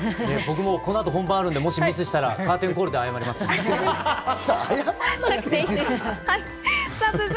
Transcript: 僕もこの後、本番あるので、もしミスしたらカーテンコールで謝ります。